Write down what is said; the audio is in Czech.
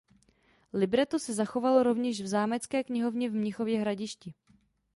Libreto se zachovalo rovněž v zámecké knihovně v Mnichově Hradišti.